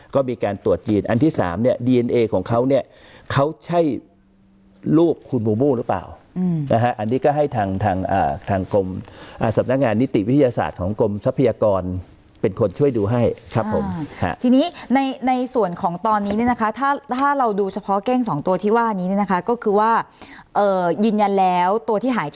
ก็มีการตรวจจีนอันที่สามเนี่ยดีเอนเอของเขาเนี่ยเขาใช่รูปคุณบูบูหรือเปล่านะฮะอันนี้ก็ให้ทางทางกรมสำนักงานนิติวิทยาศาสตร์ของกรมทรัพยากรเป็นคนช่วยดูให้ครับผมทีนี้ในในส่วนของตอนนี้เนี่ยนะคะถ้าถ้าเราดูเฉพาะเก้งสองตัวที่ว่านี้เนี่ยนะคะก็คือว่าเอ่อยืนยันแล้วตัวที่หาย